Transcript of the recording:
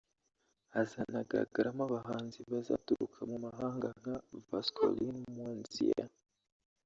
Hazanagaragaramo abahanzi bazaturuka mu mahanga nka Vascoline Mwanziya